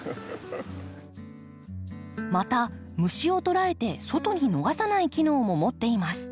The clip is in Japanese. また虫を捕らえて外に逃さない機能も持っています。